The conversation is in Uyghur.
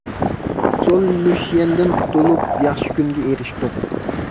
سول لۇشيەندىن قۇتۇلۇپ، ياخشى كۈنگە ئېرىشتۇق.